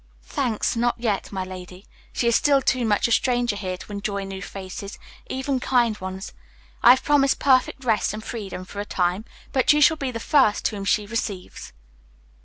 "Thanks, not yet, my lady. She is still too much a stranger here to enjoy new faces, even kind ones. I have promised perfect rest and freedom for a time, but you shall be the first whom she receives."